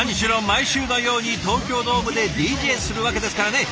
毎週のように東京ドームでＤＪするわけですからね。